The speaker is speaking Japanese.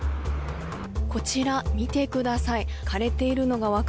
こちら、見てください。